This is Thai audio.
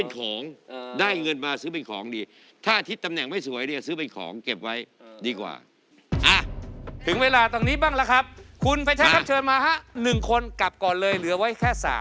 คุณเฟชักครับเชิงมะคะ๑คนกลับก่อนเลยเดื้อไว้แค่๓